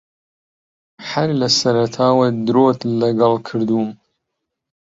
ھەر لە سەرەتاوە درۆت لەگەڵ کردووم.